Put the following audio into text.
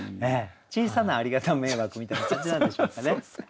小さなありがた迷惑みたいな感じなんでしょうかね。